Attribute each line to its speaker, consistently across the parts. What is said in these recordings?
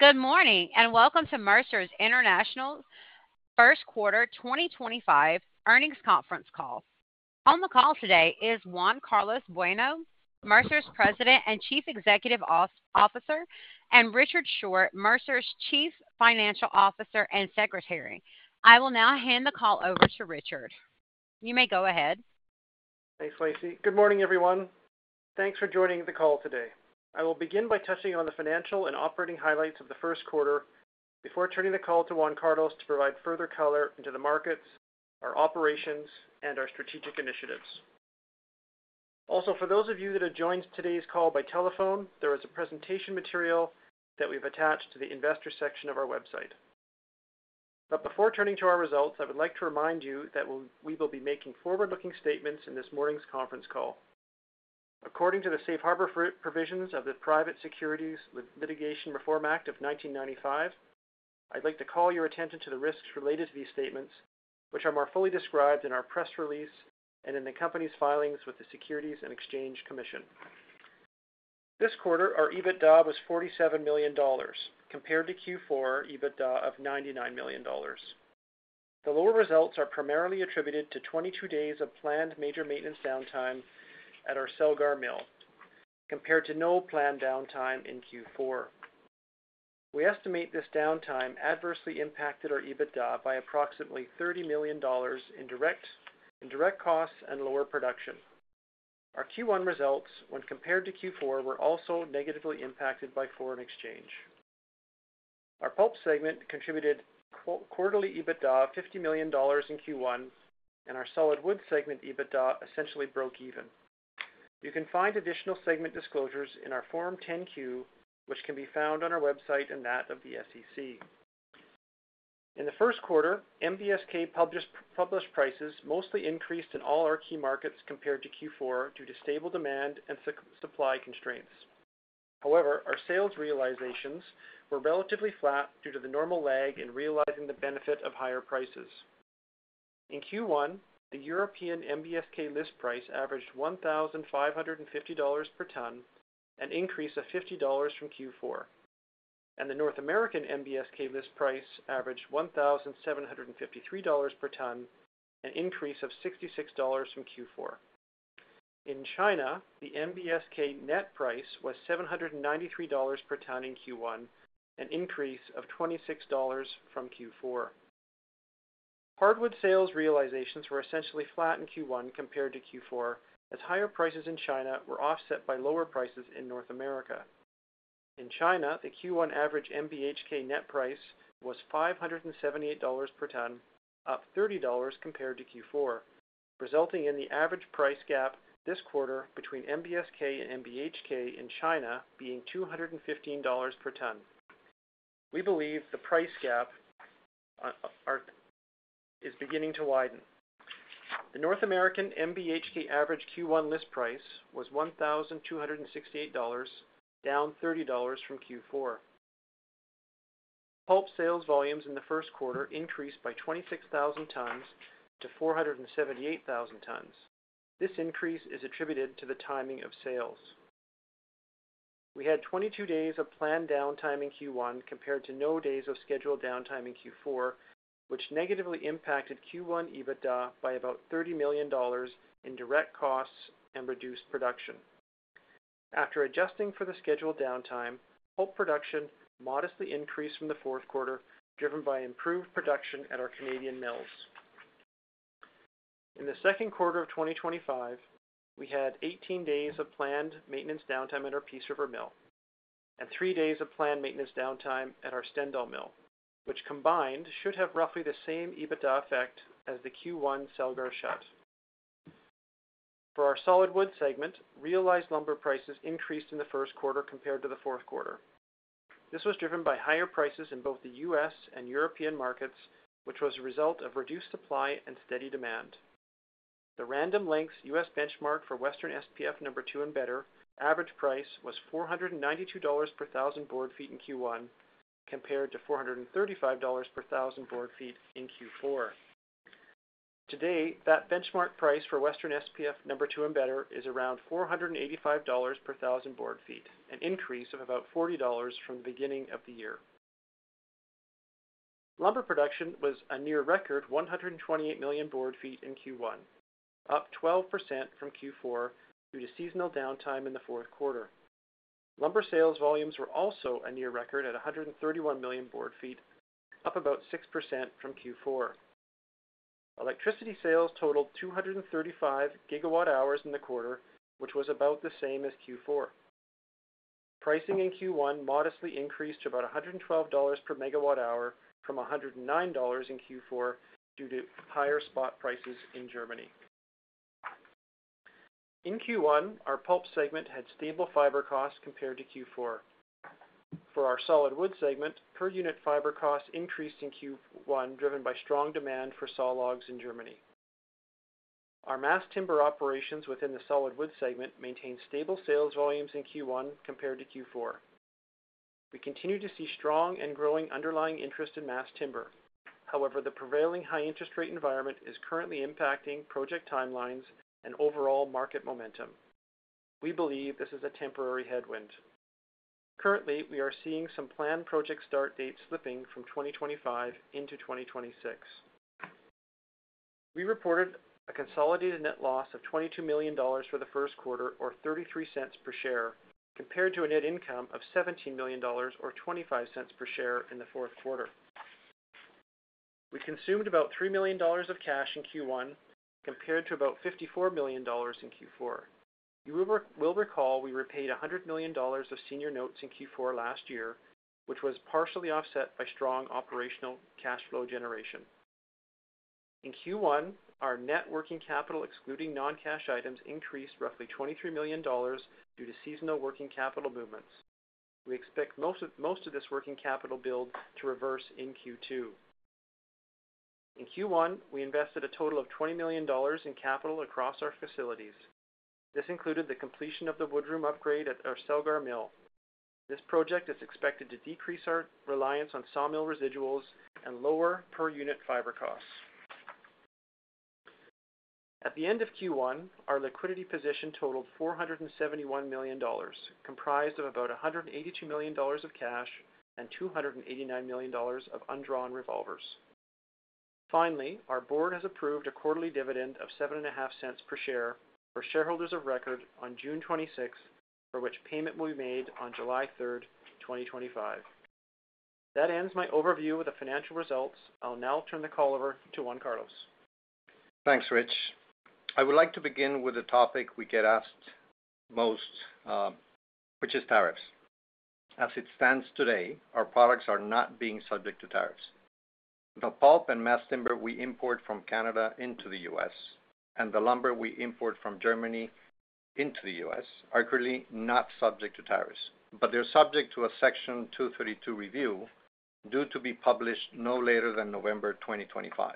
Speaker 1: Good morning and welcome to Mercer International's First Quarter 2025 Earnings Conference Call. On the call today is Juan Carlos Bueno, Mercer's President and Chief Executive Officer, and Richard Short, Mercer's Chief Financial Officer and Secretary. I will now hand the call over to Richard. You may go ahead.
Speaker 2: Thanks, Lacey. Good morning, everyone. Thanks for joining the call today. I will begin by touching on the financial and operating highlights of the first quarter before turning the call to Juan Carlos to provide further color into the markets, our operations, and our strategic initiatives. Also, for those of you that have joined today's call by telephone, there is a presentation material that we've attached to the investor section of our website. Before turning to our results, I would like to remind you that we will be making forward-looking statements in this morning's conference call. According to the Safe Harbor Provisions of the Private Securities Litigation Reform Act of 1995, I'd like to call your attention to the risks related to these statements, which are more fully described in our press release and in the company's filings with the Securities and Exchange Commission. This quarter, our EBITDA was $47 million, compared to Q4 EBITDA of $99 million. The lower results are primarily attributed to 22 days of planned major maintenance downtime at our Selgar Mill, compared to no planned downtime in Q4. We estimate this downtime adversely impacted our EBITDA by approximately $30 million in direct costs and lower production. Our Q1 results, when compared to Q4, were also negatively impacted by foreign exchange. Our pulp segment contributed quarterly EBITDA of $50 million in Q1, and our solid wood segment EBITDA essentially broke even. You can find additional segment disclosures in our Form 10Q, which can be found on our website and that of the SEC. In the first quarter, MBSK published prices mostly increased in all our key markets compared to Q4 due to stable demand and supply constraints. However, our sales realizations were relatively flat due to the normal lag in realizing the benefit of higher prices. In Q1, the European MBSK list price averaged $1,550 per ton, an increase of $50 from Q4. The North American MBSK list price averaged $1,753 per ton, an increase of $66 from Q4. In China, the MBSK net price was $793 per ton in Q1, an increase of $26 from Q4. Hardwood sales realizations were essentially flat in Q1 compared to Q4, as higher prices in China were offset by lower prices in North America. In China, the Q1 average MBHK net price was $578 per ton, up $30 compared to Q4, resulting in the average price gap this quarter between MBSK and MBHK in China being $215 per ton. We believe the price gap is beginning to widen. The North American MBHK average Q1 list price was $1,268, down $30 from Q4. Pulp sales volumes in the first quarter increased by 26,000 tons to 478,000 tons. This increase is attributed to the timing of sales. We had 22 days of planned downtime in Q1 compared to no days of scheduled downtime in Q4, which negatively impacted Q1 EBITDA by about $30 million in direct costs and reduced production. After adjusting for the scheduled downtime, pulp production modestly increased from the fourth quarter, driven by improved production at our Canadian mills. In the second quarter of 2025, we had 18 days of planned maintenance downtime at our Peace River Mill and three days of planned maintenance downtime at our Stendal Mill, which combined should have roughly the same EBITDA effect as the Q1 Selgar shut. For our solid wood segment, realized lumber prices increased in the first quarter compared to the fourth quarter. This was driven by higher prices in both the U.S. and European markets, which was a result of reduced supply and steady demand. The Random Lengths U.S. Benchmark for Western SPF #2 and better average price was $492 per 1,000 board feet in Q1, compared to $435 per 1,000 board feet in Q4. Today, that benchmark price for Western SPF #2 and better is around $485 per 1,000 board feet, an increase of about $40 from the beginning of the year. Lumber production was a near record 128 million board feet in Q1, up 12% from Q4 due to seasonal downtime in the fourth quarter. Lumber sales volumes were also a near record at 131 million board feet, up about 6% from Q4. Electricity sales totaled 235 gigawatt-hours in the quarter, which was about the same as Q4. Pricing in Q1 modestly increased to about $112 per megawatt-hour from $109 in Q4 due to higher spot prices in Germany. In Q1, our pulp segment had stable fiber costs compared to Q4. For our solid wood segment, per unit fiber costs increased in Q1, driven by strong demand for saw logs in Germany. Our mass timber operations within the solid wood segment maintained stable sales volumes in Q1 compared to Q4. We continue to see strong and growing underlying interest in mass timber. However, the prevailing high-interest rate environment is currently impacting project timelines and overall market momentum. We believe this is a temporary headwind. Currently, we are seeing some planned project start dates slipping from 2025 into 2026. We reported a consolidated net loss of $22 million for the first quarter, or $0.33 per share, compared to a net income of $17 million, or $0.25 per share in the fourth quarter. We consumed about $3 million of cash in Q1, compared to about $54 million in Q4. You will recall we repaid $100 million of senior notes in Q4 last year, which was partially offset by strong operational cash flow generation. In Q1, our net working capital excluding non-cash items increased roughly $23 million due to seasonal working capital movements. We expect most of this working capital build to reverse in Q2. In Q1, we invested a total of $20 million in capital across our facilities. This included the completion of the wood room upgrade at our Selgar Mill. This project is expected to decrease our reliance on saw mill residuals and lower per unit fiber costs. At the end of Q1, our liquidity position totaled $471 million, comprised of about $182 million of cash and $289 million of undrawn revolvers. Finally, our board has approved a quarterly dividend of $0.75 per share for shareholders of record on June 26, for which payment will be made on July 3, 2025. That ends my overview of the financial results. I'll now turn the call over to Juan Carlos.
Speaker 3: Thanks, Rich. I would like to begin with a topic we get asked most, which is tariffs. As it stands today, our products are not being subject to tariffs. The pulp and mass timber we import from Canada into the U.S. and the lumber we import from Germany into the U.S. are currently not subject to tariffs, but they're subject to a Section 232 review due to be published no later than November 2025.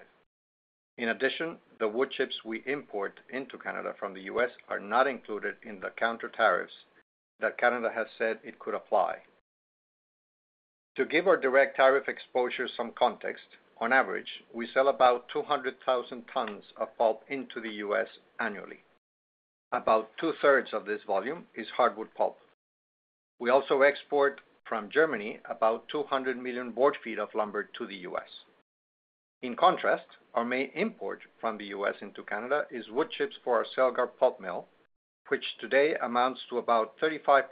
Speaker 3: In addition, the wood chips we import into Canada from the U.S. are not included in the counter tariffs that Canada has said it could apply. To give our direct tariff exposure some context, on average, we sell about 200,000 tons of pulp into the U.S. annually. About two-thirds of this volume is hardwood pulp. We also export from Germany about 200 million board feet of lumber to the U.S. In contrast, our main import from the U.S. into Canada is wood chips for our Selgar pulp mill, which today amounts to about 35%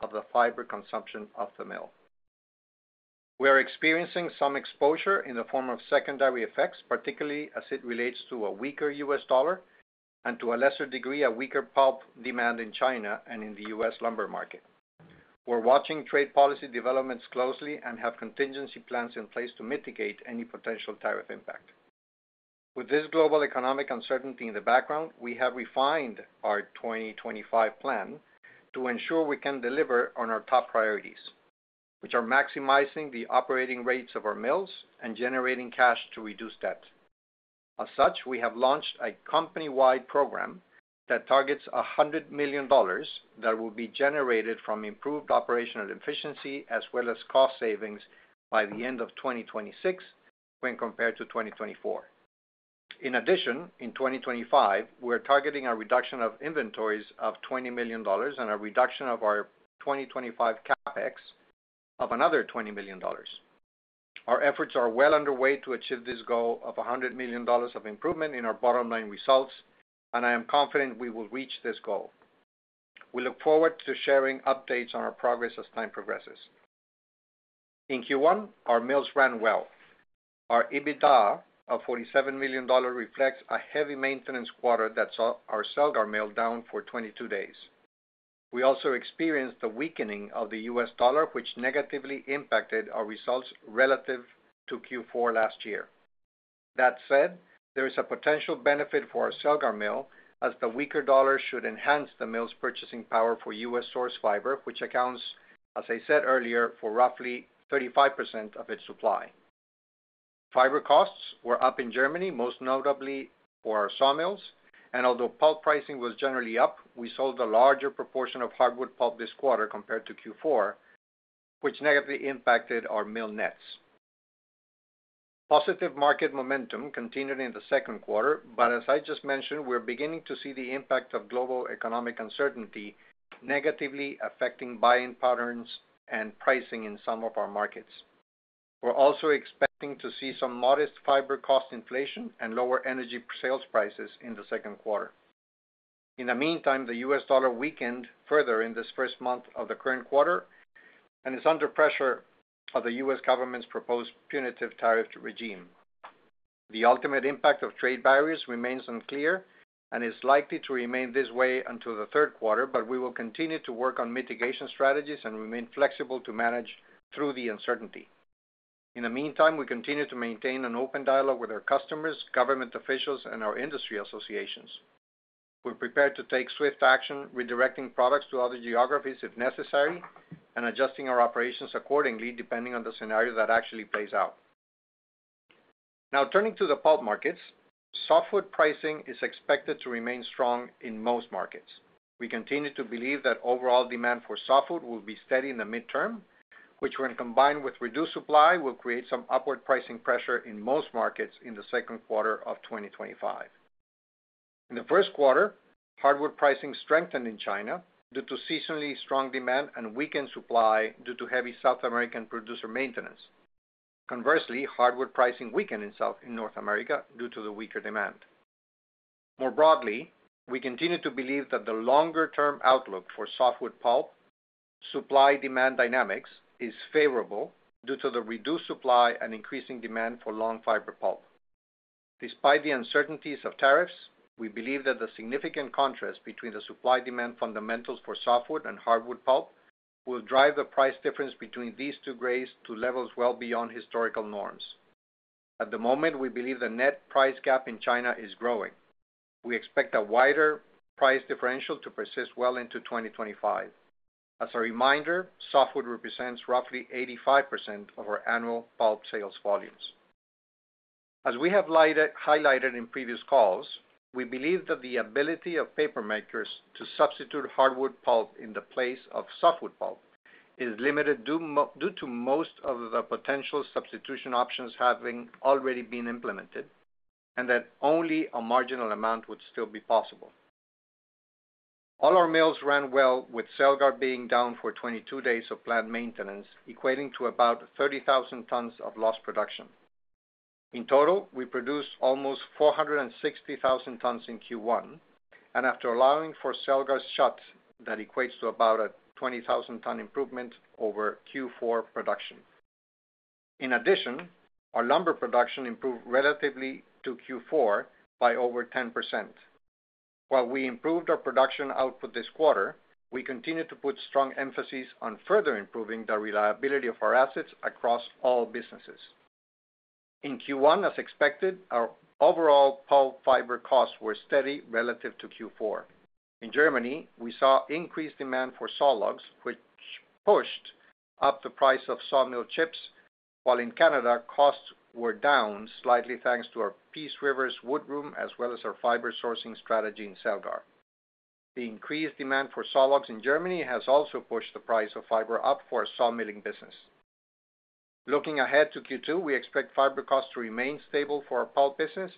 Speaker 3: of the fiber consumption of the mill. We are experiencing some exposure in the form of secondary effects, particularly as it relates to a weaker U.S. dollar and to a lesser degree a weaker pulp demand in China and in the U.S. lumber market. We are watching trade policy developments closely and have contingency plans in place to mitigate any potential tariff impact. With this global economic uncertainty in the background, we have refined our 2025 plan to ensure we can deliver on our top priorities, which are maximizing the operating rates of our mills and generating cash to reduce debt. As such, we have launched a company-wide program that targets $100 million that will be generated from improved operational efficiency as well as cost savings by the end of 2026 when compared to 2024. In addition, in 2025, we're targeting a reduction of inventories of $20 million and a reduction of our 2025 CapEx of another $20 million. Our efforts are well underway to achieve this goal of $100 million of improvement in our bottom-line results, and I am confident we will reach this goal. We look forward to sharing updates on our progress as time progresses. In Q1, our mills ran well. Our EBITDA of $47 million reflects a heavy maintenance quarter that saw our Selgar Mill down for 22 days. We also experienced the weakening of the U.S. dollar, which negatively impacted our results relative to Q4 last year. That said, there is a potential benefit for our Selgar Mill, as the weaker dollar should enhance the mill's purchasing power for U.S.-source fiber, which accounts, as I said earlier, for roughly 35% of its supply. Fiber costs were up in Germany, most notably for our saw mills, and although pulp pricing was generally up, we sold a larger proportion of hardwood pulp this quarter compared to Q4, which negatively impacted our mill nets. Positive market momentum continued in the second quarter, but as I just mentioned, we're beginning to see the impact of global economic uncertainty negatively affecting buying patterns and pricing in some of our markets. We're also expecting to see some modest fiber cost inflation and lower energy sales prices in the second quarter. In the meantime, the U.S. dollar weakened further in this first month of the current quarter and is under pressure of the U.S. government's proposed punitive tariff regime. The ultimate impact of trade barriers remains unclear and is likely to remain this way until the third quarter, but we will continue to work on mitigation strategies and remain flexible to manage through the uncertainty. In the meantime, we continue to maintain an open dialogue with our customers, government officials, and our industry associations. We're prepared to take swift action, redirecting products to other geographies if necessary, and adjusting our operations accordingly depending on the scenario that actually plays out. Now, turning to the pulp markets, softwood pricing is expected to remain strong in most markets. We continue to believe that overall demand for softwood will be steady in the midterm, which, when combined with reduced supply, will create some upward pricing pressure in most markets in the second quarter of 2025. In the first quarter, hardwood pricing strengthened in China due to seasonally strong demand and weakened supply due to heavy South American producer maintenance. Conversely, hardwood pricing weakened in North America due to the weaker demand. More broadly, we continue to believe that the longer-term outlook for softwood pulp supply-demand dynamics is favorable due to the reduced supply and increasing demand for long fiber pulp. Despite the uncertainties of tariffs, we believe that the significant contrast between the supply-demand fundamentals for softwood and hardwood pulp will drive the price difference between these two grades to levels well beyond historical norms. At the moment, we believe the net price gap in China is growing. We expect a wider price differential to persist well into 2025. As a reminder, softwood represents roughly 85% of our annual pulp sales volumes. As we have highlighted in previous calls, we believe that the ability of papermakers to substitute hardwood pulp in the place of softwood pulp is limited due to most of the potential substitution options having already been implemented and that only a marginal amount would still be possible. All our mills ran well, with Selgar being down for 22 days of planned maintenance, equating to about 30,000 tons of lost production. In total, we produced almost 460,000 tons in Q1, and after allowing for Selgar shut, that equates to about a 20,000-ton improvement over Q4 production. In addition, our lumber production improved relatively to Q4 by over 10%. While we improved our production output this quarter, we continue to put strong emphasis on further improving the reliability of our assets across all businesses. In Q1, as expected, our overall pulp fiber costs were steady relative to Q4. In Germany, we saw increased demand for saw logs, which pushed up the price of saw mill chips, while in Canada, costs were down slightly thanks to our Peace River's wood room as well as our fiber sourcing strategy in Selgar. The increased demand for saw logs in Germany has also pushed the price of fiber up for our saw milling business. Looking ahead to Q2, we expect fiber costs to remain stable for our pulp business,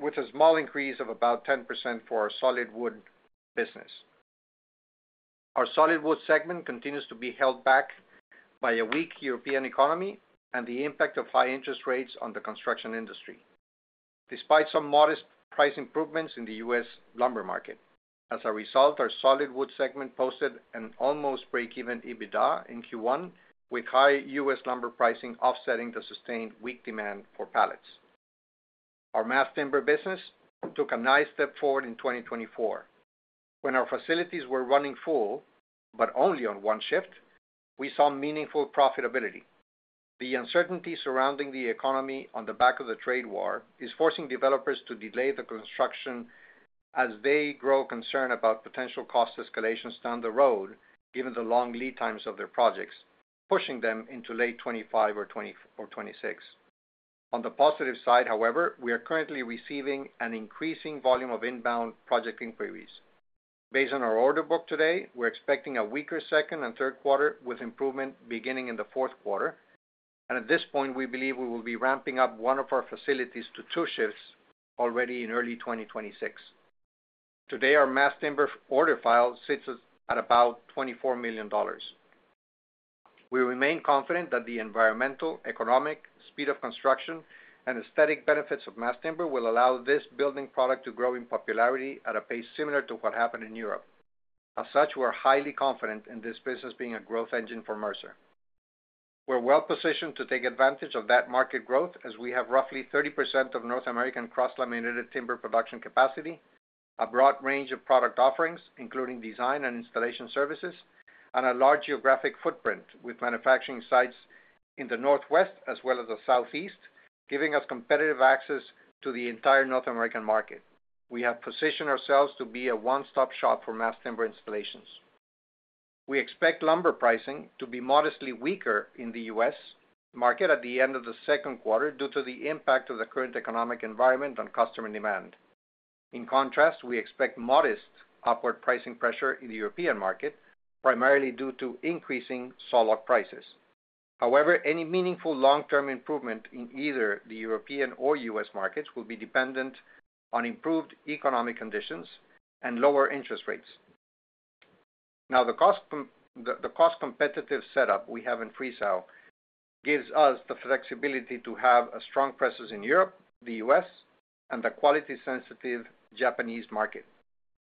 Speaker 3: with a small increase of about 10% for our solid wood business. Our solid wood segment continues to be held back by a weak European economy and the impact of high interest rates on the construction industry, despite some modest price improvements in the U.S. lumber market. As a result, our solid wood segment posted an almost break-even EBITDA in Q1, with high US lumber pricing offsetting the sustained weak demand for pallets. Our mass timber business took a nice step forward in 2024. When our facilities were running full, but only on one shift, we saw meaningful profitability. The uncertainty surrounding the economy on the back of the trade war is forcing developers to delay the construction as they grow concerned about potential cost escalations down the road, given the long lead times of their projects, pushing them into late 2025 or 2026. On the positive side, however, we are currently receiving an increasing volume of inbound project inquiries. Based on our order book today, we're expecting a weaker second and third quarter, with improvement beginning in the fourth quarter. At this point, we believe we will be ramping up one of our facilities to two shifts already in early 2026. Today, our mass timber order file sits at about $24 million. We remain confident that the environmental, economic, speed of construction, and aesthetic benefits of mass timber will allow this building product to grow in popularity at a pace similar to what happened in Europe. As such, we're highly confident in this business being a growth engine for Mercer. We're well positioned to take advantage of that market growth, as we have roughly 30% of North American cross-laminated timber production capacity, a broad range of product offerings, including design and installation services, and a large geographic footprint with manufacturing sites in the northwest as well as the southeast, giving us competitive access to the entire North American market. We have positioned ourselves to be a one-stop shop for mass timber installations. We expect lumber pricing to be modestly weaker in the U.S. market at the end of the second quarter due to the impact of the current economic environment on customer demand. In contrast, we expect modest upward pricing pressure in the European market, primarily due to increasing saw log prices. However, any meaningful long-term improvement in either the European or U.S. markets will be dependent on improved economic conditions and lower interest rates. Now, the cost competitive setup we have in Friesau gives us the flexibility to have strong pressures in Europe, the U.S., and the quality-sensitive Japanese market.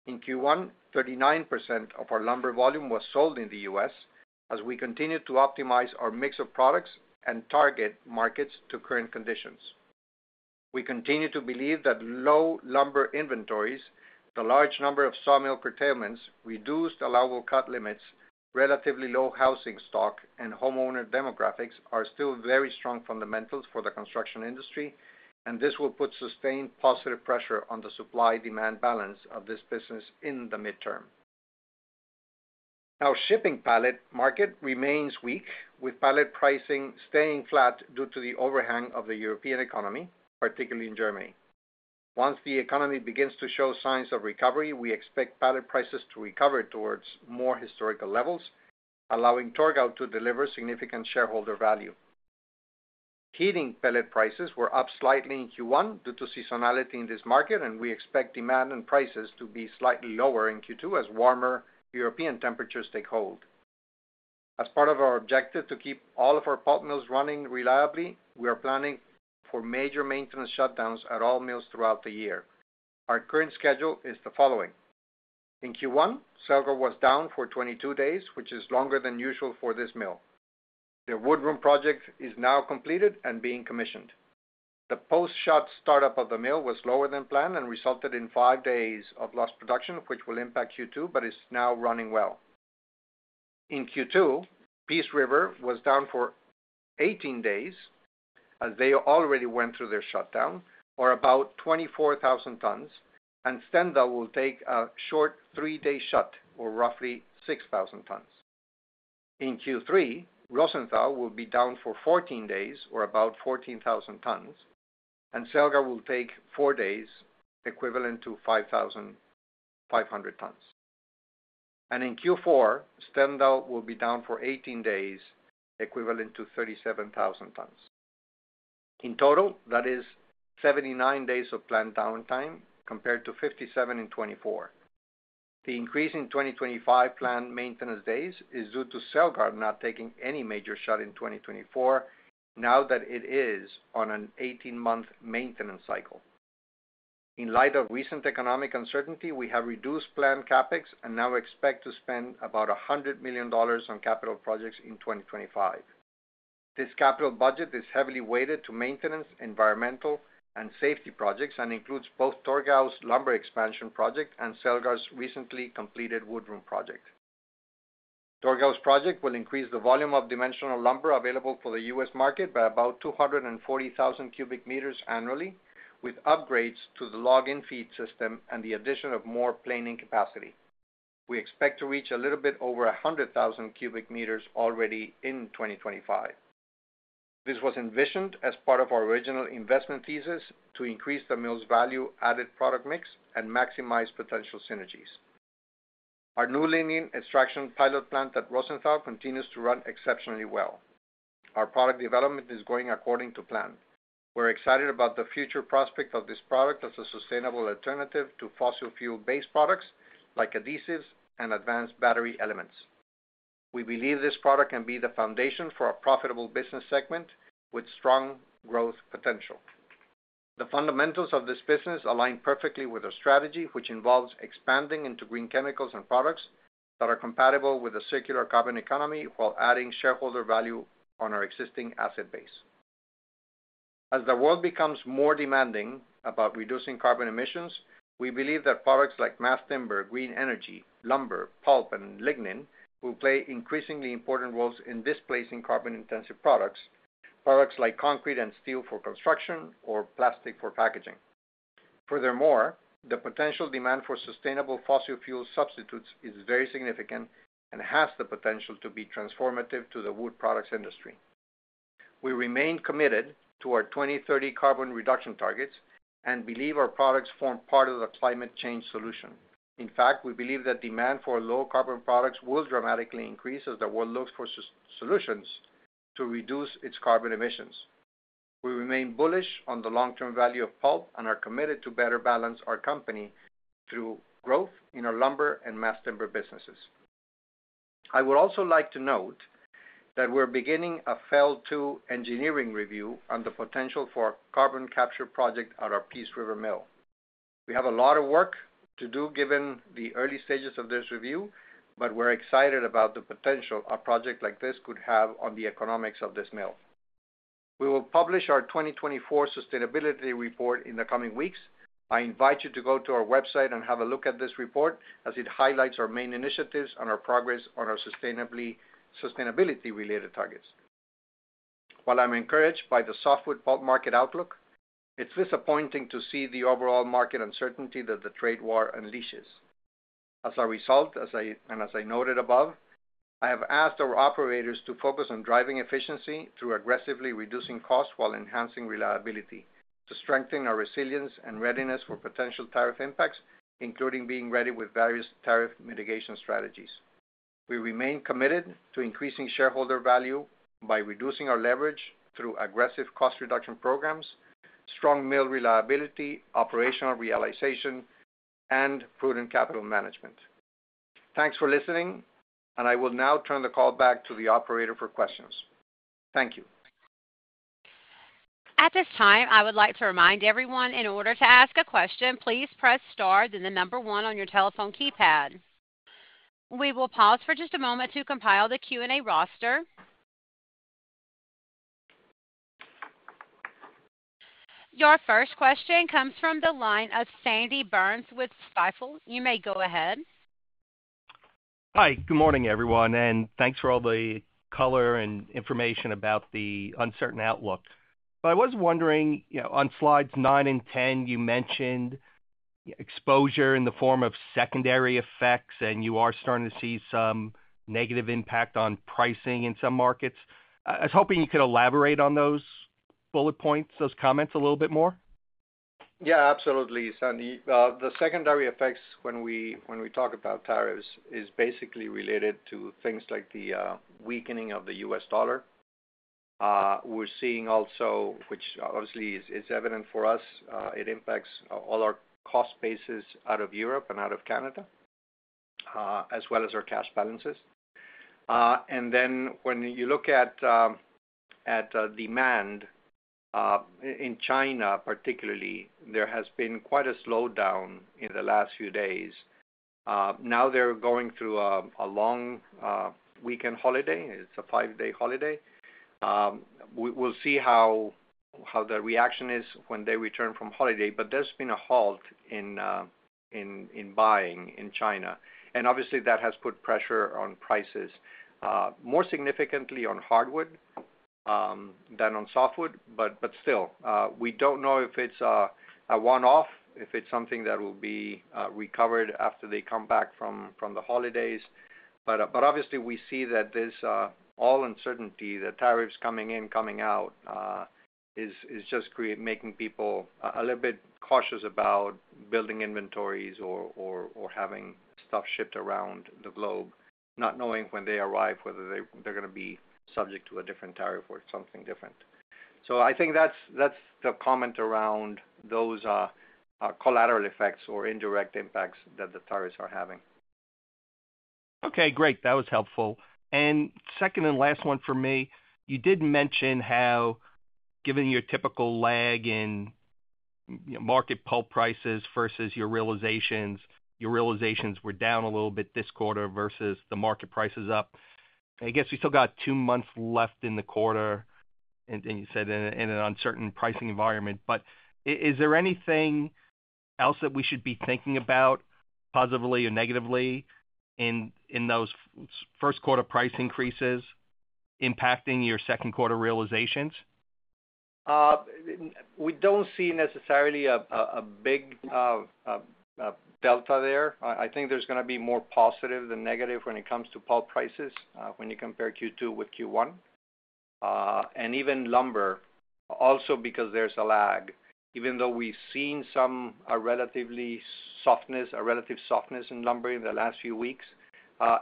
Speaker 3: In Q1, 39% of our lumber volume was sold in the U.S., as we continue to optimize our mix of products and target markets to current conditions. We continue to believe that low lumber inventories, the large number of sawmill curtailments, reduced allowable cut limits, relatively low housing stock, and homeowner demographics are still very strong fundamentals for the construction industry, and this will put sustained positive pressure on the supply-demand balance of this business in the midterm. Our shipping pallet market remains weak, with pallet pricing staying flat due to the overhang of the European economy, particularly in Germany. Once the economy begins to show signs of recovery, we expect pallet prices to recover towards more historical levels, allowing Torgau to deliver significant shareholder value. Heating pallet prices were up slightly in Q1 due to seasonality in this market, and we expect demand and prices to be slightly lower in Q2 as warmer European temperatures take hold. As part of our objective to keep all of our pulp mills running reliably, we are planning for major maintenance shutdowns at all mills throughout the year. Our current schedule is the following. In Q1, Selgar was down for 22 days, which is longer than usual for this mill. The wood room project is now completed and being commissioned. The post-shot startup of the mill was lower than planned and resulted in five days of lost production, which will impact Q2, but is now running well. In Q2, Peace River was down for 18 days, as they already went through their shutdown, or about 24,000 tons, and Stendal will take a short three-day shut, or roughly 6,000 tons. In Q3, Rosenthal will be down for 14 days, or about 14,000 tons, and Selgar will take four days, equivalent to 5,500 tons. In Q4, Stendal will be down for 18 days, equivalent to 37,000 tons. In total, that is 79 days of planned downtime compared to 57 in 2024. The increase in 2025 planned maintenance days is due to Selgar not taking any major shut in 2024, now that it is on an 18-month maintenance cycle. In light of recent economic uncertainty, we have reduced planned CapEx and now expect to spend about $100 million on capital projects in 2025. This capital budget is heavily weighted to maintenance, environmental, and safety projects and includes both Torgau's lumber expansion project and Selgar's recently completed wood room project. Torgau's project will increase the volume of dimensional lumber available for the U.S. market by about 240,000 cubic meters annually, with upgrades to the log-in feed system and the addition of more planing capacity. We expect to reach a little bit over 100,000 cubic meters already in 2025. This was envisioned as part of our original investment thesis to increase the mill's value-added product mix and maximize potential synergies. Our new lignin extraction pilot plant at Rosenthal continues to run exceptionally well. Our product development is going according to plan. We're excited about the future prospect of this product as a sustainable alternative to fossil fuel-based products like adhesives and advanced battery elements. We believe this product can be the foundation for a profitable business segment with strong growth potential. The fundamentals of this business align perfectly with our strategy, which involves expanding into green chemicals and products that are compatible with the circular carbon economy while adding shareholder value on our existing asset base. As the world becomes more demanding about reducing carbon emissions, we believe that products like mass timber, green energy, lumber, pulp, and lignin will play increasingly important roles in displacing carbon-intensive products, products like concrete and steel for construction or plastic for packaging. Furthermore, the potential demand for sustainable fossil fuel substitutes is very significant and has the potential to be transformative to the wood products industry. We remain committed to our 2030 carbon reduction targets and believe our products form part of the climate change solution. In fact, we believe that demand for low-carbon products will dramatically increase as the world looks for solutions to reduce its carbon emissions. We remain bullish on the long-term value of pulp and are committed to better balance our company through growth in our lumber and mass timber businesses. I would also like to note that we're beginning a FEL II engineering review on the potential for a carbon capture project at our Peace River mill. We have a lot of work to do given the early stages of this review, but we're excited about the potential a project like this could have on the economics of this mill. We will publish our 2024 sustainability report in the coming weeks. I invite you to go to our website and have a look at this report as it highlights our main initiatives and our progress on our sustainability-related targets. While I'm encouraged by the softwood pulp market outlook, it's disappointing to see the overall market uncertainty that the trade war unleashes. As a result, and as I noted above, I have asked our operators to focus on driving efficiency through aggressively reducing costs while enhancing reliability to strengthen our resilience and readiness for potential tariff impacts, including being ready with various tariff mitigation strategies. We remain committed to increasing shareholder value by reducing our leverage through aggressive cost reduction programs, strong mill reliability, operational realization, and prudent capital management. Thanks for listening, and I will now turn the call back to the operator for questions. Thank you.
Speaker 1: At this time, I would like to remind everyone in order to ask a question, please press star, then the number one on your telephone keypad. We will pause for just a moment to compile the Q&A roster. Your first question comes from the line of Sandy Burns with Stifel. You may go ahead.
Speaker 4: Hi, good morning, everyone, and thanks for all the color and information about the uncertain outlook. I was wondering, on slides 9 and 10, you mentioned exposure in the form of secondary effects, and you are starting to see some negative impact on pricing in some markets. I was hoping you could elaborate on those bullet points, those comments a little bit more.
Speaker 3: Yeah, absolutely, Sandy. The secondary effects when we talk about tariffs is basically related to things like the weakening of the U.S. dollar. We're seeing also, which obviously is evident for us, it impacts all our cost bases out of Europe and out of Canada, as well as our cash balances. When you look at demand in China, particularly, there has been quite a slowdown in the last few days. Now they are going through a long weekend holiday. It is a five-day holiday. We will see how the reaction is when they return from holiday, but there has been a halt in buying in China. Obviously, that has put pressure on prices, more significantly on hardwood than on softwood, but still, we do not know if it is a one-off, if it is something that will be recovered after they come back from the holidays. Obviously, we see that this uncertainty, the tariffs coming in, coming out, is just making people a little bit cautious about building inventories or having stuff shipped around the globe, not knowing when they arrive whether they are going to be subject to a different tariff or something different. I think that's the comment around those collateral effects or indirect impacts that the tariffs are having.
Speaker 4: Okay, great. That was helpful. Second and last one for me, you did mention how, given your typical lag in market pulp prices versus your realizations, your realizations were down a little bit this quarter versus the market prices up. I guess we still got two months left in the quarter, and you said in an uncertain pricing environment. Is there anything else that we should be thinking about positively or negatively in those first quarter price increases impacting your second quarter realizations?
Speaker 3: We do not see necessarily a big delta there. I think there's going to be more positive than negative when it comes to pulp prices when you compare Q2 with Q1. Even lumber, also because there's a lag. Even though we've seen some relatively softness in lumber in the last few weeks,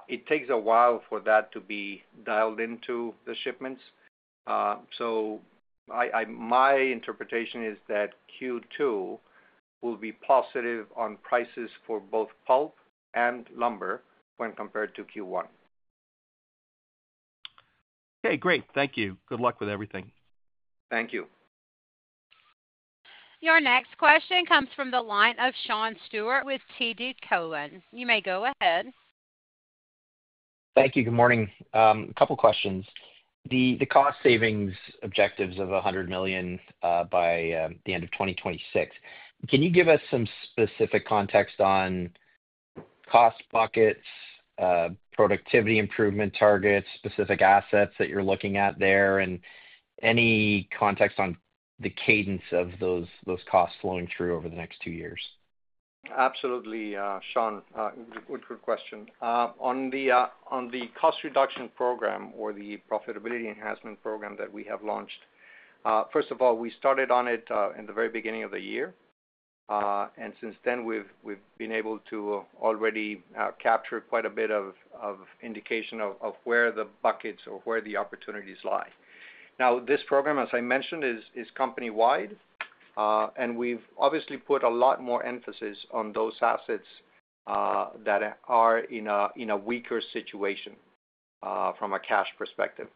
Speaker 3: it takes a while for that to be dialed into the shipments. My interpretation is that Q2 will be positive on prices for both pulp and lumber when compared to Q1. Okay, great. Thank you. Good luck with everything.
Speaker 4: Thank you.
Speaker 1: Your next question comes from the line of Sean Stewart with TD Cowen. You may go ahead.
Speaker 5: Thank you. Good morning. A couple of questions. The cost savings objectives of $100 million by the end of 2026, can you give us some specific context on cost buckets, productivity improvement targets, specific assets that you're looking at there, and any context on the cadence of those costs flowing through over the next two years?
Speaker 3: Absolutely, Sean. Good question. On the cost reduction program or the profitability enhancement program that we have launched, first of all, we started on it in the very beginning of the year. Since then, we've been able to already capture quite a bit of indication of where the buckets or where the opportunities lie. This program, as I mentioned, is company-wide, and we've obviously put a lot more emphasis on those assets that are in a weaker situation from a cash perspective.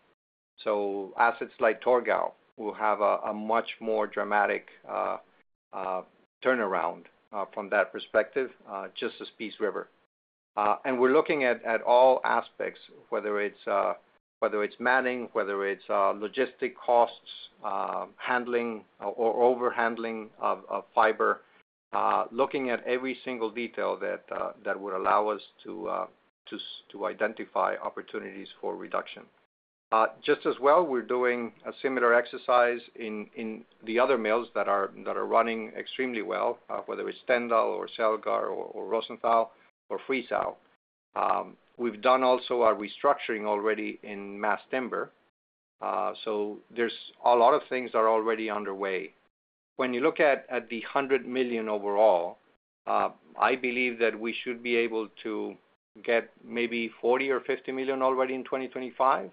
Speaker 3: Assets like Torgau will have a much more dramatic turnaround from that perspective, just as Peace River. We're looking at all aspects, whether it's manning, whether it's logistic costs, handling or overhandling of fiber, looking at every single detail that would allow us to identify opportunities for reduction. Just as well, we're doing a similar exercise in the other mills that are running extremely well, whether it's Stendal or Selgar or Rosenthal or Friesau. We've done also our restructuring already in mass timber. So there's a lot of things that are already underway. When you look at the $100 million overall, I believe that we should be able to get maybe $40 million or $50 million already in 2025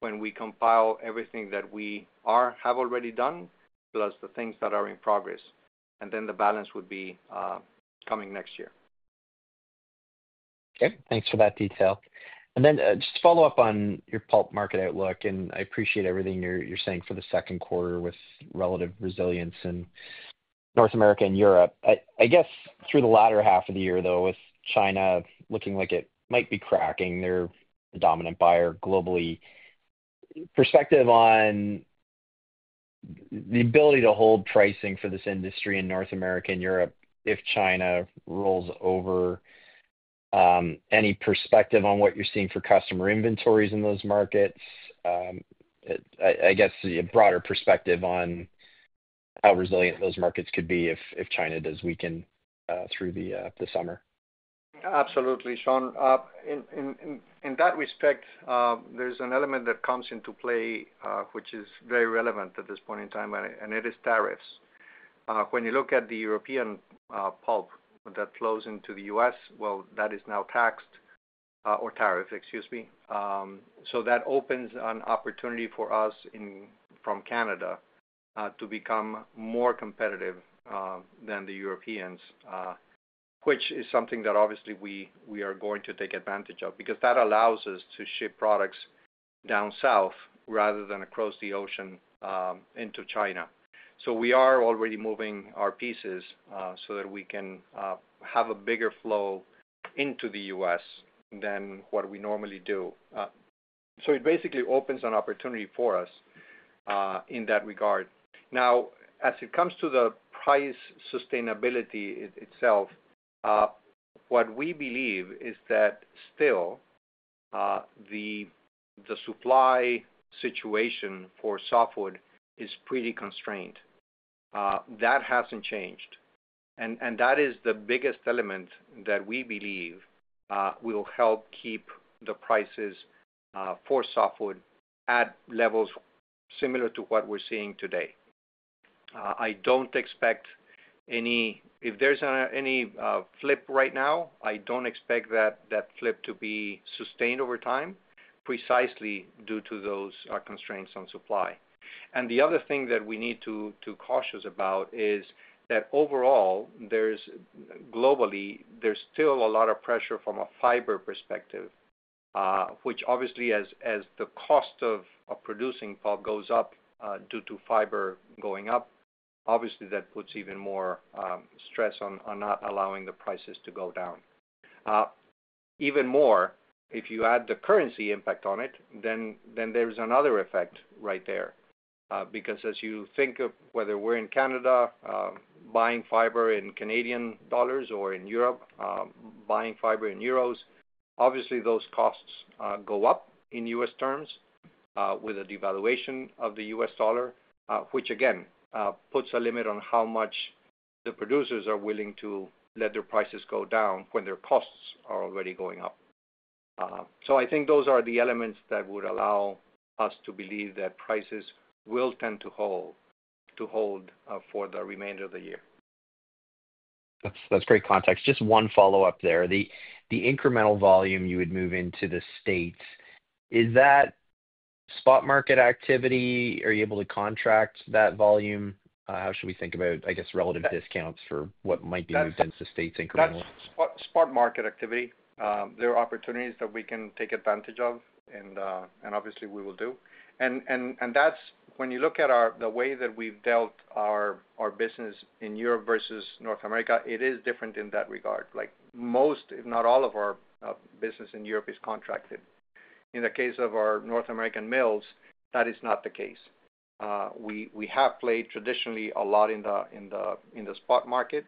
Speaker 3: when we compile everything that we have already done, plus the things that are in progress. The balance would be coming next year.
Speaker 5: Thanks for that detail. Just to follow up on your pulp market outlook, I appreciate everything you're saying for the second quarter with relative resilience in North America and Europe. I guess through the latter half of the year, though, with China looking like it might be cracking, they're the dominant buyer globally. Perspective on the ability to hold pricing for this industry in North America and Europe if China rolls over, any perspective on what you're seeing for customer inventories in those markets? I guess a broader perspective on how resilient those markets could be if China does weaken through the summer.
Speaker 3: Absolutely, Sean. In that respect, there's an element that comes into play, which is very relevant at this point in time, and it is tariffs. When you look at the European pulp that flows into the U.S., that is now taxed or tariffed, excuse me. That opens an opportunity for us from Canada to become more competitive than the Europeans, which is something that obviously we are going to take advantage of because that allows us to ship products down south rather than across the ocean into China. We are already moving our pieces so that we can have a bigger flow into the U.S. than what we normally do. It basically opens an opportunity for us in that regard. Now, as it comes to the price sustainability itself, what we believe is that still the supply situation for softwood is pretty constrained. That has not changed. That is the biggest element that we believe will help keep the prices for softwood at levels similar to what we are seeing today. I don't expect any, if there's any flip right now, I don't expect that flip to be sustained over time, precisely due to those constraints on supply. The other thing that we need to be cautious about is that overall, globally, there's still a lot of pressure from a fiber perspective, which obviously, as the cost of producing pulp goes up due to fiber going up, that puts even more stress on not allowing the prices to go down. Even more, if you add the currency impact on it, then there's another effect right there. Because as you think of whether we're in Canada buying fiber in Canadian dollars or in Europe, buying fiber in euros, obviously, those costs go up in U.S. terms with a devaluation of the U.S. dollar, which, again, puts a limit on how much the producers are willing to let their prices go down when their costs are already going up. I think those are the elements that would allow us to believe that prices will tend to hold for the remainder of the year.
Speaker 5: That's great context. Just one follow-up there. The incremental volume you would move into the states, is that spot market activity? Are you able to contract that volume? How should we think about, I guess, relative discounts for what might be moved into states incrementally?
Speaker 3: That's spot market activity. There are opportunities that we can take advantage of, and obviously, we will do. When you look at the way that we've dealt our business in Europe versus North America, it is different in that regard. Most, if not all, of our business in Europe is contracted. In the case of our North American mills, that is not the case. We have played traditionally a lot in the spot market.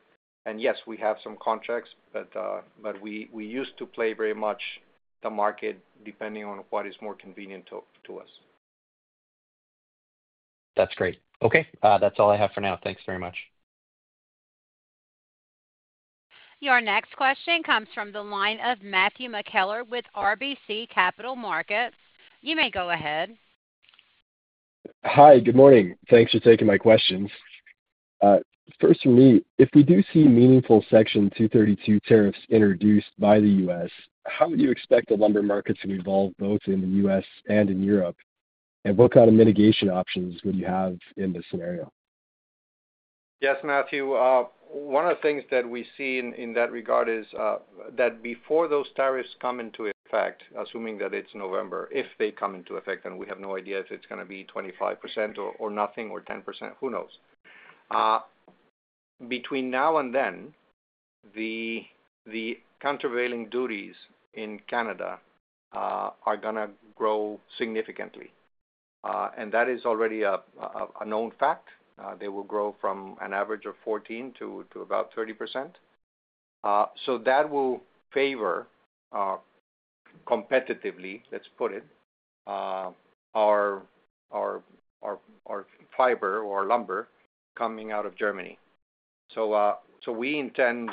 Speaker 3: Yes, we have some contracts, but we used to play very much the market depending on what is more convenient to us.
Speaker 5: That's great. Okay. That's all I have for now. Thanks very much.
Speaker 1: Your next question comes from the line of Matthew McKellar with RBC Capital Markets. You may go ahead.
Speaker 6: Hi, good morning. Thanks for taking my questions. First, for me, if we do see meaningful Section 232 tariffs introduced by the U.S.., how would you expect the lumber markets to evolve both in the U.S. and in Europe? What kind of mitigation options would you have in this scenario?.
Speaker 3: Yes, Matthew. One of the things that we see in that regard is that before those tariffs come into effect, assuming that it is November, if they come into effect, and we have no idea if it is going to be 25% or nothing or 10%, who knows? Between now and then, the countervailing duties in Canada are going to grow significantly. That is already a known fact. They will grow from an average of 14% to about 30%. That will favor competitively, let's put it, our fiber or lumber coming out of Germany. We intend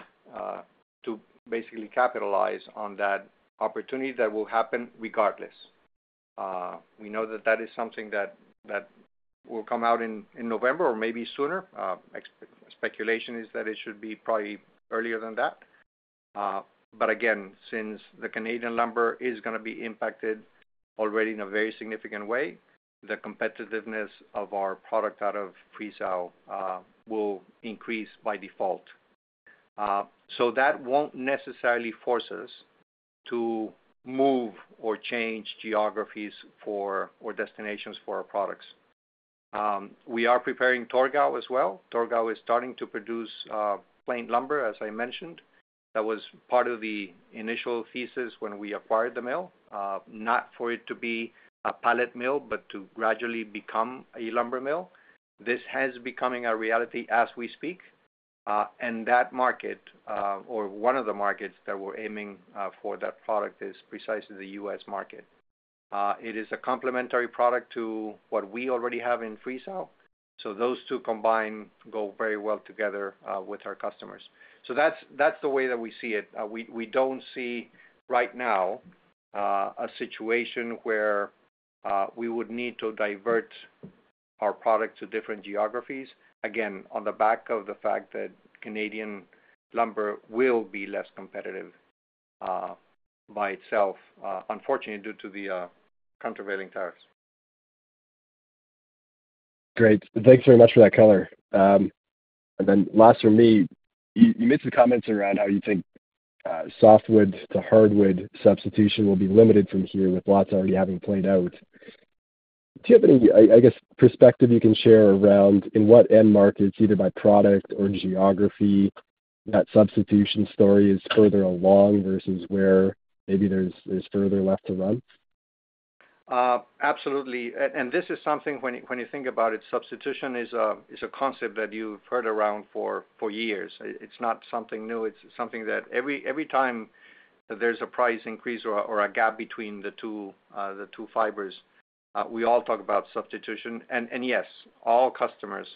Speaker 3: to basically capitalize on that opportunity that will happen regardless. We know that is something that will come out in November or maybe sooner. Speculation is that it should be probably earlier than that. Again, since the Canadian lumber is going to be impacted already in a very significant way, the competitiveness of our product out of Friesau will increase by default. That will not necessarily force us to move or change geographies or destinations for our products. We are preparing Torgau as well. Torgau is starting to produce plain lumber, as I mentioned. That was part of the initial thesis when we acquired the mill, not for it to be a pallet mill, but to gradually become a lumber mill. This has become a reality as we speak. That market, or one of the markets that we are aiming for that product, is precisely the U.S. market. It is a complementary product to what we already have in Friesau. Those two combine and go very well together with our customers. That is the way that we see it. We do not see right now a situation where we would need to divert our product to different geographies, again, on the back of the fact that Canadian lumber will be less competitive by itself, unfortunately, due to the countervailing tariffs.
Speaker 6: Great. Thanks very much for that color. Last for me, you made some comments around how you think softwood to hardwood substitution will be limited from here with lots already having played out. Do you have any, I guess, perspective you can share around in what end markets, either by product or geography, that substitution story is further along versus where maybe there is further left to run?
Speaker 3: Absolutely. This is something when you think about it, substitution is a concept that you have heard around for years. It is not something new. It's something that every time that there's a price increase or a gap between the two fibers, we all talk about substitution. Yes, all customers,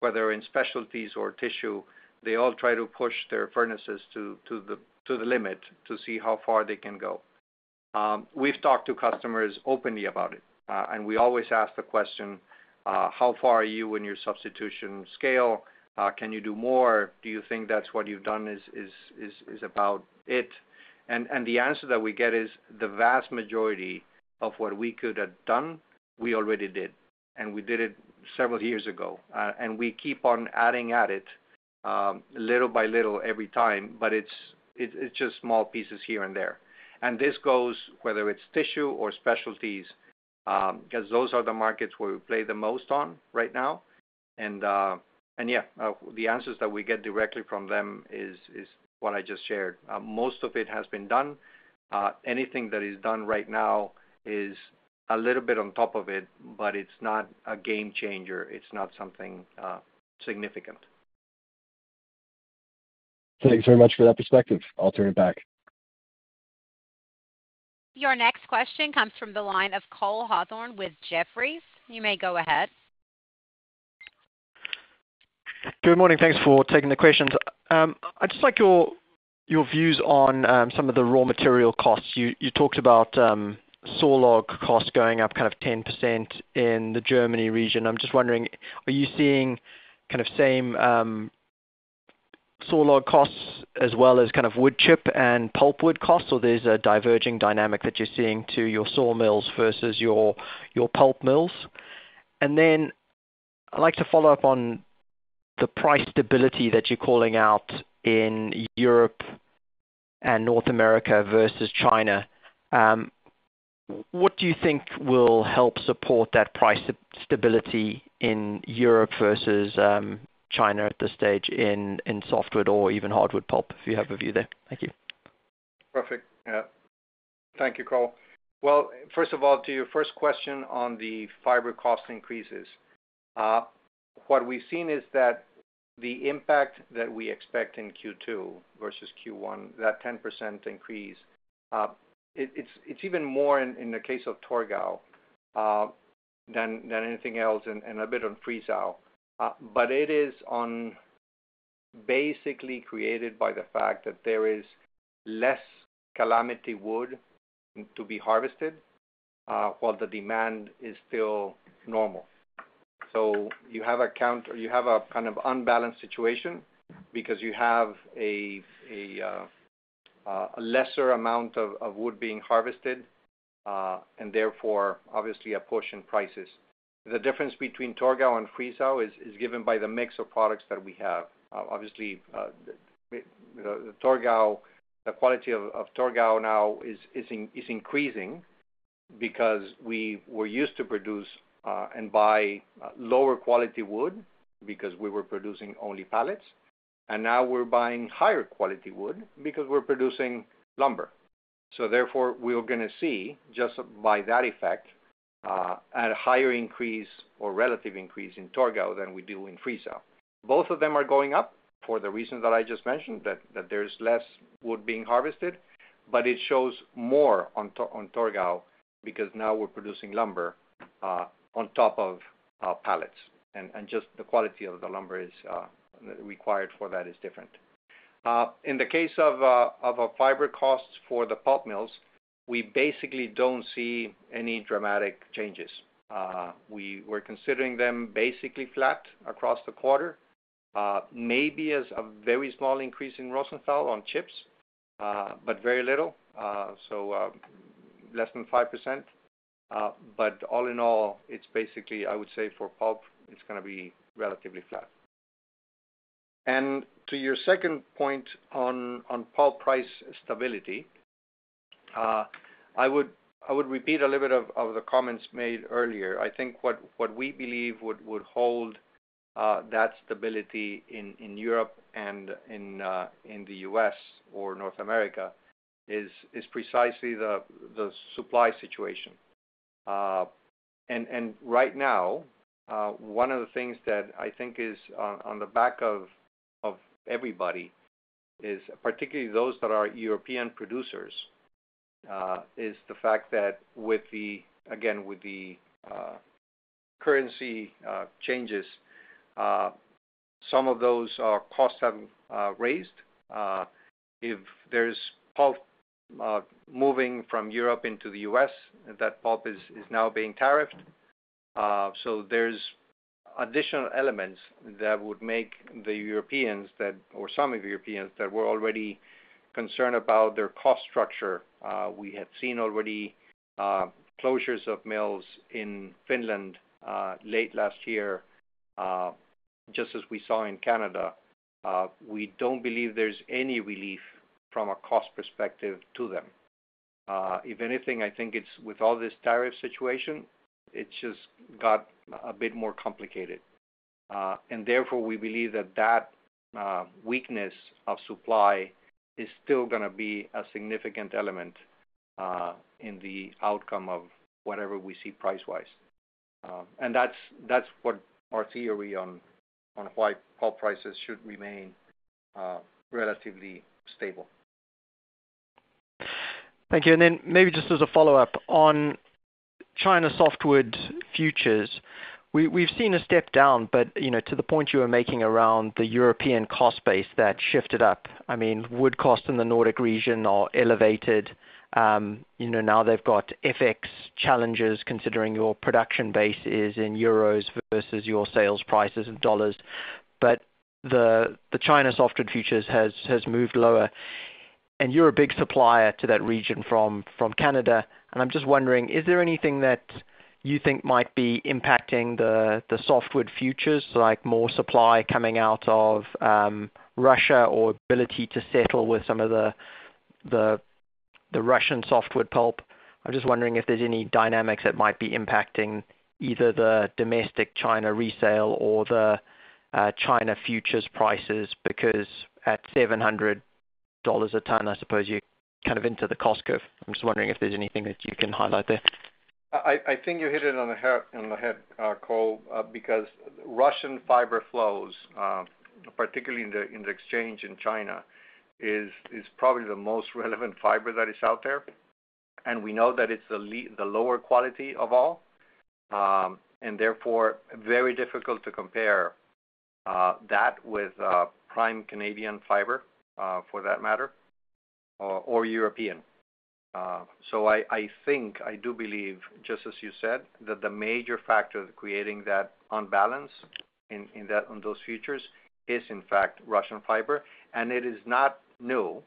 Speaker 3: whether in specialties or tissue, they all try to push their furnaces to the limit to see how far they can go. We've talked to customers openly about it. We always ask the question, "How far are you in your substitution scale? Can you do more? Do you think that's what you've done is about it?" The answer that we get is the vast majority of what we could have done, we already did. We did it several years ago. We keep on adding at it little by little every time, but it's just small pieces here and there. This goes, whether it's tissue or specialties, because those are the markets where we play the most on right now. Yeah, the answers that we get directly from them is what I just shared. Most of it has been done. Anything that is done right now is a little bit on top of it, but it's not a game changer. It's not something significant.
Speaker 6: Thanks very much for that perspective. I'll turn it back.
Speaker 1: Your next question comes from the line of Cole Hathorn with Jefferies. You may go ahead.
Speaker 7: Good morning. Thanks for taking the questions. I'd just like your views on some of the raw material costs. You talked about saw log costs going up kind of 10% in the Germany region. I'm just wondering, are you seeing kind of same saw log costs as well as kind of wood chip and pulp wood costs, or there's a diverging dynamic that you're seeing to your saw mills versus your pulp mills? Then I'd like to follow up on the price stability that you're calling out in Europe and North America versus China. What do you think will help support that price stability in Europe versus China at this stage in softwood or even hardwood pulp, if you have a view there? Thank you.
Speaker 3: Perfect. Yeah. Thank you, Cole. First of all, to your first question on the fiber cost increases, what we've seen is that the impact that we expect in Q2 versus Q1, that 10% increase, it's even more in the case of Torgau than anything else and a bit on Friesau. It is basically created by the fact that there is less calamity wood to be harvested while the demand is still normal. You have a kind of unbalanced situation because you have a lesser amount of wood being harvested, and therefore, obviously, a push in prices. The difference between Torgau and Friesau is given by the mix of products that we have. Obviously, the quality of Torgau now is increasing because we were used to produce and buy lower quality wood because we were producing only pallets. Now we're buying higher quality wood because we're producing lumber. Therefore, we're going to see just by that effect a higher increase or relative increase in Torgau than we do in Friesau. Both of them are going up for the reasons that I just mentioned, that there's less wood being harvested, but it shows more on Torgau because now we're producing lumber on top of pallets. Just the quality of the lumber required for that is different. In the case of fiber costs for the pulp mills, we basically do not see any dramatic changes. We were considering them basically flat across the quarter, maybe a very small increase in Rosenthal on chips, but very little, so less than 5%. All in all, I would say, for pulp, it is going to be relatively flat. To your second point on pulp price stability, I would repeat a little bit of the comments made earlier. I think what we believe would hold that stability in Europe and in the U.S. or North America is precisely the supply situation. Right now, one of the things that I think is on the back of everybody, particularly those that are European producers, is the fact that, again, with the currency changes, some of those costs have raised. If there's pulp moving from Europe into the US, that pulp is now being tariffed. There are additional elements that would make the Europeans, or some of the Europeans, that were already concerned about their cost structure. We had seen already closures of mills in Finland late last year, just as we saw in Canada. We do not believe there is any relief from a cost perspective to them. If anything, I think with all this tariff situation, it has just got a bit more complicated. Therefore, we believe that that weakness of supply is still going to be a significant element in the outcome of whatever we see price-wise. That is what our theory on why pulp prices should remain relatively stable.
Speaker 7: Thank you. Maybe just as a follow-up on China softwood futures, we've seen a step down, but to the point you were making around the European cost base that shifted up, I mean, wood costs in the Nordic region are elevated. Now they've got FX challenges considering your production base is in euros versus your sales prices in dollars. The China softwood futures has moved lower. You're a big supplier to that region from Canada. I'm just wondering, is there anything that you think might be impacting the softwood futures, like more supply coming out of Russia or ability to settle with some of the Russian softwood pulp? I'm just wondering if there's any dynamics that might be impacting either the domestic China resale or the China futures prices because at $700 a ton, I suppose you're kind of into the cost curve. I'm just wondering if there's anything that you can highlight there.
Speaker 3: I think you hit it on the head, Cole, because Russian fiber flows, particularly in the exchange in China, is probably the most relevant fiber that is out there. We know that it's the lower quality of all. Therefore, very difficult to compare that with prime Canadian fiber, for that matter, or European. I think, I do believe, just as you said, that the major factor creating that unbalance on those futures is, in fact, Russian fiber. It is not new.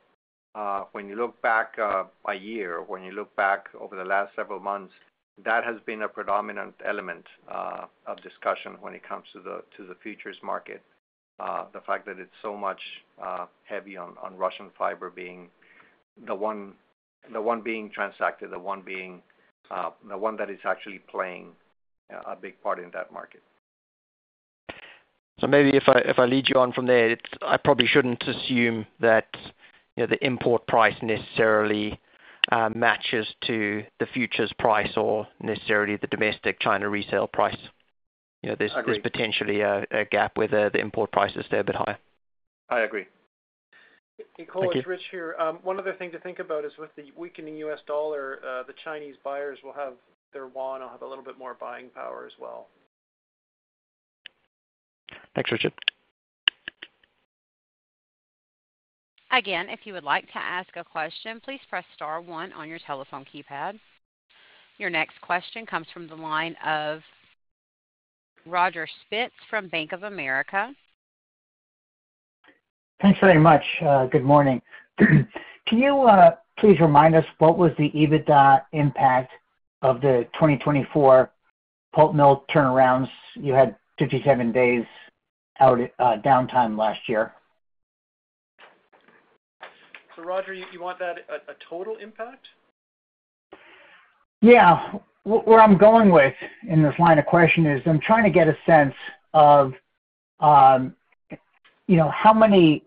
Speaker 3: When you look back by year, when you look back over the last several months, that has been a predominant element of discussion when it comes to the futures market, the fact that it's so much heavy on Russian fiber being the one being transacted, the one that is actually playing a big part in that market.
Speaker 7: Maybe if I lead you on from there, I probably shouldn't assume that the import price necessarily matches to the futures price or necessarily the domestic China resale price. There's potentially a gap where the import price is a bit higher.
Speaker 3: I agree.
Speaker 2: Hey, Cole, it's Richard here. One other thing to think about is with the weakening US dollar, the Chinese buyers will have their want and have a little bit more buying power as well.
Speaker 7: Thanks, Richard.
Speaker 1: Again, if you would like to ask a question, please press star one on your telephone keypad. Your next question comes from the line of Roger Spitz from Bank of America.
Speaker 8: Thanks very much. Good morning. Can you please remind us what was the EBITDA impact of the 2024 pulp mill turnarounds? You had 57 days downtime last year.
Speaker 2: Roger, you want a total impact?
Speaker 8: Yeah. Where I am going with in this line of question is I am trying to get a sense of how many,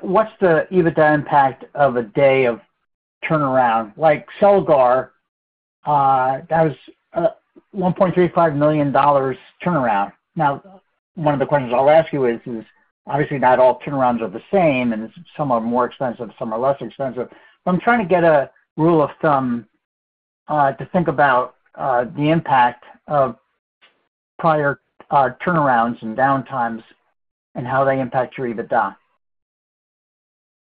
Speaker 8: what is the EBITDA impact of a day of turnaround? Like Selgar, that was $1.35 million turnaround. Now, one of the questions I will ask you is, obviously, not all turnarounds are the same, and some are more expensive, some are less expensive. But I'm trying to get a rule of thumb to think about the impact of prior turnarounds and downtimes and how they impact your EBITDA.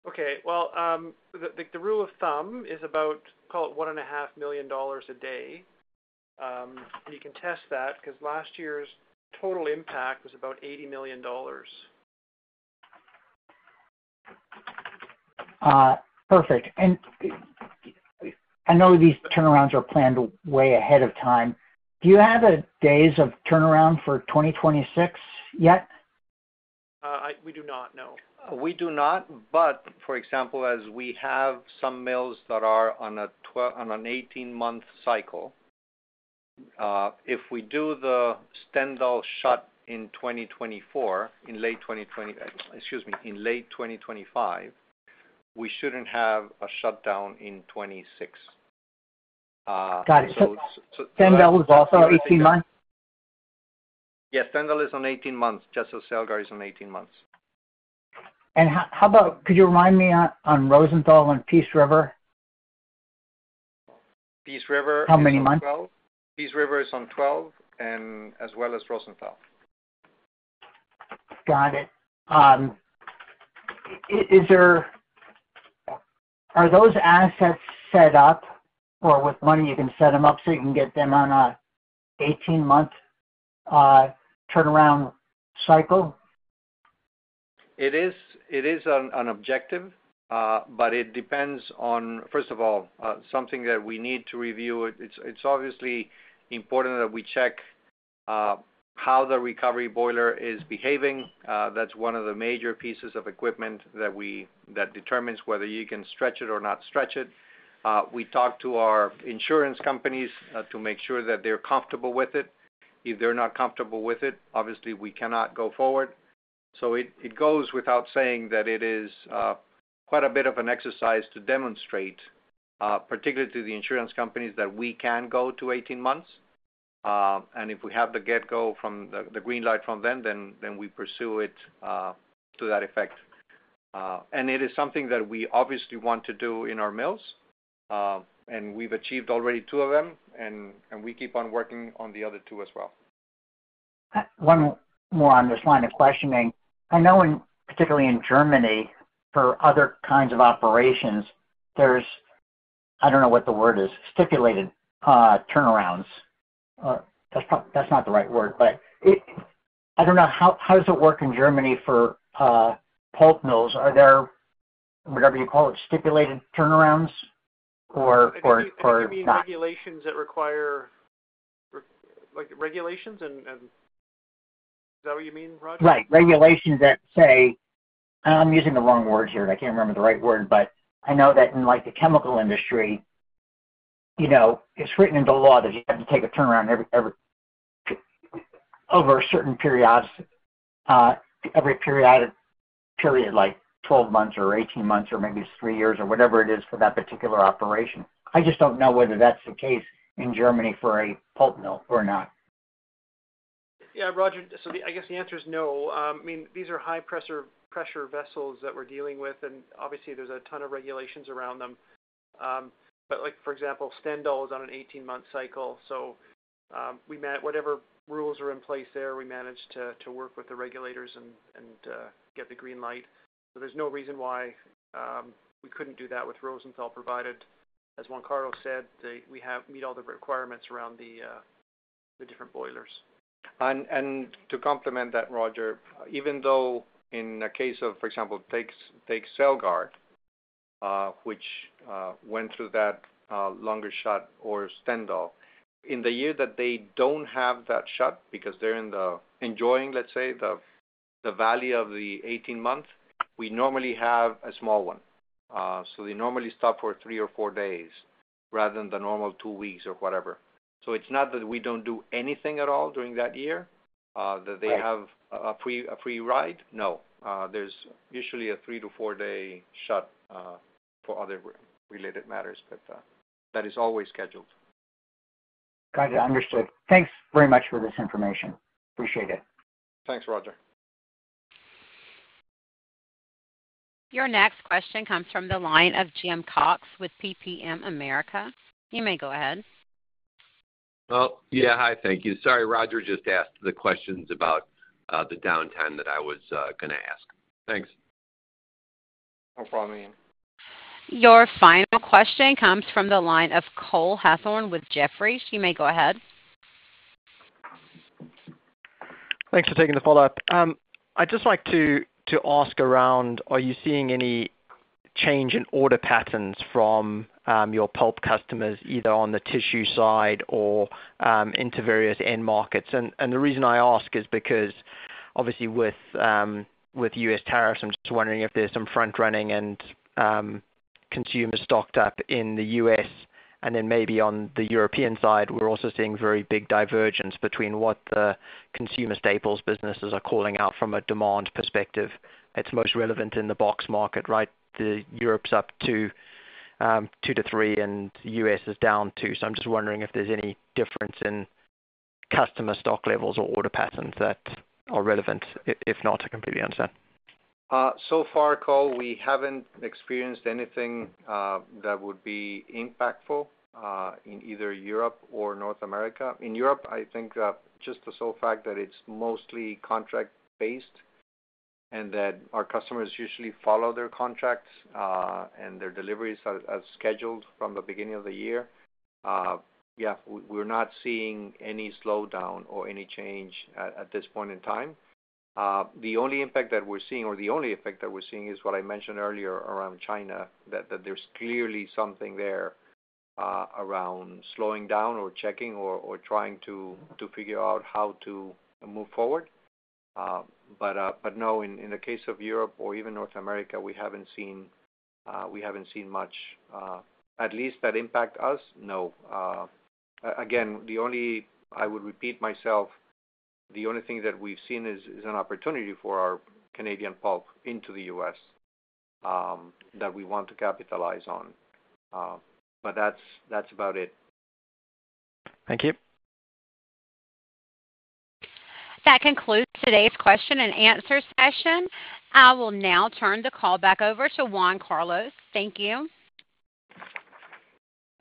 Speaker 2: Okay. The rule of thumb is about, call it $1.5 million a day. You can test that because last year's total impact was about $80 million.
Speaker 8: Perfect. I know these turnarounds are planned way ahead of time. Do you have days of turnaround for 2026 yet?
Speaker 3: We do not, no. We do not. For example, as we have some mills that are on an 18-month cycle, if we do the Stendal shut in 2024, in late 2025, we should not have a shutdown in 2026.
Speaker 8: Got it. Stendal is also 18 months?
Speaker 3: Yes. Stendal is on 18 months, just as Selgar is on 18 months.
Speaker 8: Could you remind me on Rosenthal and Peace River?
Speaker 3: Peace River is on 12.
Speaker 8: How many months?
Speaker 3: Peace River is on 12, as well as Rosenthal.
Speaker 8: Got it. Are those assets set up or with money you can set them up so you can get them on an 18-month turnaround cycle?
Speaker 3: It is an objective, but it depends on, first of all, something that we need to review. It is obviously important that we check how the recovery boiler is behaving. That is one of the major pieces of equipment that determines whether you can stretch it or not stretch it. We talk to our insurance companies to make sure that they are comfortable with it. If they are not comfortable with it, obviously, we cannot go forward. It goes without saying that it is quite a bit of an exercise to demonstrate, particularly to the insurance companies, that we can go to 18 months. If we have the get-go from the green light from them, then we pursue it to that effect. It is something that we obviously want to do in our mills. We've achieved already two of them, and we keep on working on the other two as well.
Speaker 8: One more on this line of questioning. I know, particularly in Germany, for other kinds of operations, there's, I don't know what the word is, stipulated turnarounds. That's not the right word, but I don't know. How does it work in Germany for pulp mills? Are there, whatever you call it, stipulated turnarounds or not?
Speaker 3: Regulations that require regulations, and is that what you mean, Roger?
Speaker 8: Right. Regulations that say, and I'm using the wrong word here. I can't remember the right word, but I know that in the chemical industry, it's written into law that you have to take a turnaround over a certain period, every period, like 12 months or 18 months or maybe three years or whatever it is for that particular operation. I just don't know whether that's the case in Germany for a pulp mill or not.
Speaker 2: Yeah, Roger. I guess the answer is no. I mean, these are high-pressure vessels that we're dealing with, and obviously, there's a ton of regulations around them. For example, Stendal is on an 18-month cycle. Whatever rules are in place there, we managed to work with the regulators and get the green light. There's no reason why we couldn't do that with Rosenthal, provided, as Juan Carlos said, we meet all the requirements around the different boilers.
Speaker 3: To complement that, Roger, even though in a case of, for example, take Selgar, which went through that longer shut or Stendal, in the year that they do not have that shut because they are enjoying, let's say, the value of the 18-month, we normally have a small one. They normally stop for three or four days rather than the normal two weeks or whatever. It is not that we do not do anything at all during that year, that they have a free ride. No. There is usually a three to four-day shut for other related matters, but that is always scheduled.
Speaker 8: Got it. Understood. Thanks very much for this information. Appreciate it.
Speaker 3: Thanks, Roger.
Speaker 1: Your next question comes from the line of Jim Cox with PPM America. You may go ahead. Yeah. Hi. Thank you.
Speaker 9: Sorry, Roger just asked the questions about the downtime that I was going to ask.
Speaker 3: Thanks. No problem, Ian.
Speaker 1: Your final question comes from the line of Cole Hathorn with Jefferies. You may go ahead.
Speaker 7: Thanks for taking the follow-up. I'd just like to ask around, are you seeing any change in order patterns from your pulp customers, either on the tissue side or into various end markets? The reason I ask is because, obviously, with U.S. tariffs, I'm just wondering if there's some front-running and consumers stocked up in the U.S. Maybe on the European side, we're also seeing very big divergence between what the consumer staples businesses are calling out from a demand perspective. It's most relevant in the box market, right? Europe's up to two to three, and the U.S. is down two. I'm just wondering if there's any difference in customer stock levels or order patterns that are relevant, if not, I completely understand.
Speaker 3: So far, Cole, we haven't experienced anything that would be impactful in either Europe or North America. In Europe, I think just the sole fact that it's mostly contract-based and that our customers usually follow their contracts and their deliveries are scheduled from the beginning of the year, yeah, we're not seeing any slowdown or any change at this point in time. The only impact that we're seeing, or the only effect that we're seeing, is what I mentioned earlier around China, that there's clearly something there around slowing down or checking or trying to figure out how to move forward. No, in the case of Europe or even North America, we haven't seen much. At least that impact us, no. Again, I would repeat myself, the only thing that we've seen is an opportunity for our Canadian pulp into the US that we want to capitalize on. That's about it.
Speaker 7: Thank you.
Speaker 1: That concludes today's question and answer session. I will now turn the call back over to Juan Carlos. Thank you.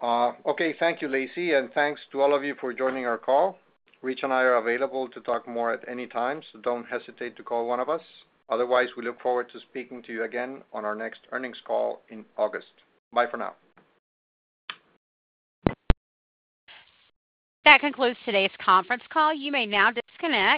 Speaker 3: Okay. Thank you, Lacey. And thanks to all of you for joining our call. Rich and I are available to talk more at any time, so don't hesitate to call one of us. Otherwise, we look forward to speaking to you again on our next earnings call in August. Bye for now.
Speaker 1: That concludes today's conference call. You may now disconnect.